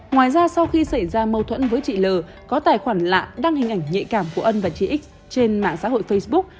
ngoài ra sau khi xảy ra mâu thuẫn với chị l có tài khoản lạ đăng hình ảnh nhạy cảm của ân và chị x trên mạng xã hội facebook